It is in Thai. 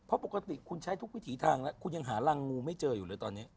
เพราะปกติคุณใช้ทุกวิถีทางแล้วคุณยังหารังงูไม่เจออยู่เลยตอนนี้